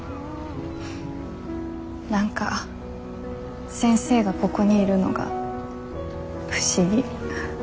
何か先生がここにいるのが不思議。